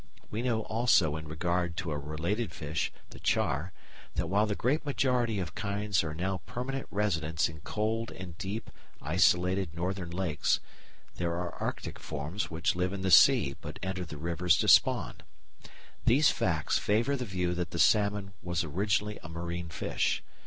We know also in regard to a related fish, the char, that while the great majority of kinds are now permanent residents in cold and deep, isolated northern lakes, there are Arctic forms which live in the sea but enter the rivers to spawn. These facts favour the view that the salmon was originally a marine fish.